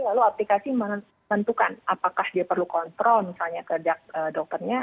lalu aplikasi menentukan apakah dia perlu kontrol misalnya ke dokternya